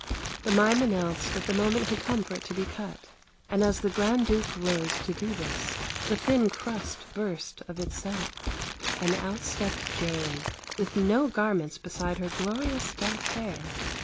The mime announced that the moment had come for it to be cut, and as the Grand Duke rose to do this the thin crust burst of itself, and out stepped Jane, with no garments beside her glorious dark hair!